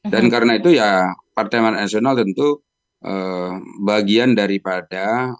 dan karena itu ya partai manasional tentu bagian daripada